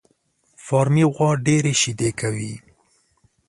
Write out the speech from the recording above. فارمي غوا ډېري شيدې کوي